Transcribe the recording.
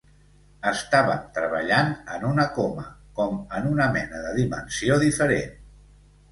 Estàvem treballant en un coma, com en una mena de dimensió diferent.